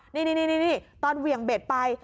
นี่ตอนเหวี่ยงเบ็ดไป